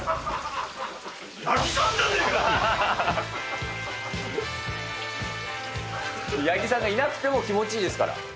八木八木さんがいなくても気持ちいいですから。